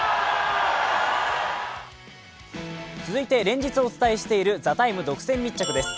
続いて連日お伝えしている「ＴＨＥＴＩＭＥ，」独占情報です。